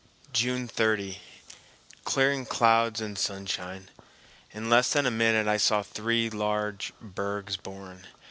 June 30. Clearing clouds and sunshine. In less than a minute I saw three large bergs born.